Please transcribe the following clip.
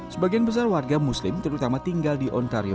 sebagian besar warga muslim terutama tinggal di ontario